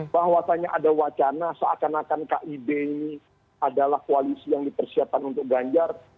bahwasannya ada wacana seakan akan kib adalah koalisi yang dipersiapkan untuk ganjar